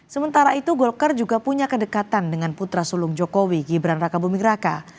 sementara itu golkar juga punya kedekatan dengan putra sulung jokowi gibran raka buming raka